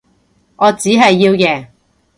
我只係要贏